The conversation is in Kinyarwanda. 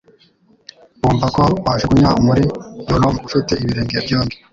bumva ko wajugunywa muri gehinomu ufite ibirenge byombi. »